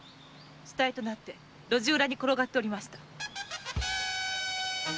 死体となって路地裏に転がっておりました。